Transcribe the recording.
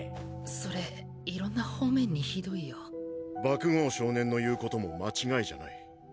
それいろんな方面にひどいよ。爆豪少年の言う事も間違いじゃない。